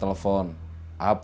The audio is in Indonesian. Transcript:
tidak ada apa apa